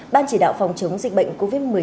ban chỉ đạo phòng chống dịch bệnh covid một mươi chín